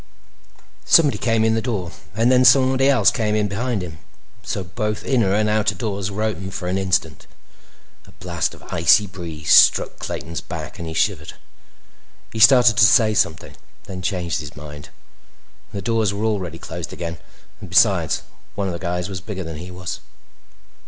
Somebody came in the door and then somebody else came in behind him, so that both inner and outer doors were open for an instant. A blast of icy breeze struck Clayton's back, and he shivered. He started to say something, then changed his mind; the doors were already closed again, and besides, one of the guys was bigger than he was.